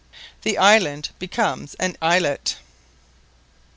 THE ISLAND BECOMES AN ISLET.